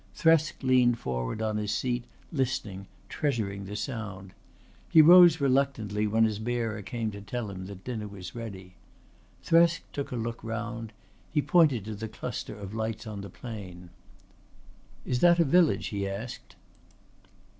Thresk leaned forward on his seat, listening, treasuring the sound. He rose reluctantly when his bearer came to tell him that dinner was ready. Thresk took a look round. He pointed to the cluster of lights on the plain. "Is that a village?" he asked.